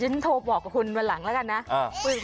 เขาอยากศึกษา